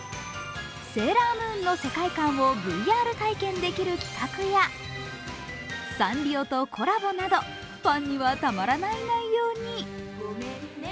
「セーラームーン」の世界観をリアル体験できる企画やサンリオとコラボなど、ファンにはたまらない内容に。